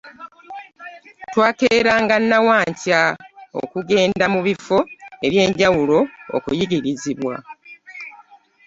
Twakeeranga nnawankya okugenda mu bifo eby’enjawulo okuyigirizibwa.